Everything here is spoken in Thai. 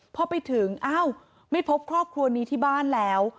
พอไปถึงอ้าวไม่พบครอบครัวนี้ที่บ้านแล้ว